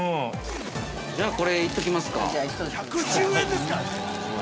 ◆じゃあ、これいっときますか。